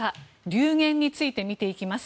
流言について見ていきます。